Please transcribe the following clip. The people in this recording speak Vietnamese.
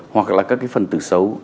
hoặc là các phần tử xấu